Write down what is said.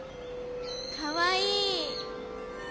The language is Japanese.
かわいい。